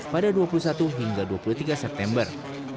pada dua puluh satu hingga dua puluh tiga september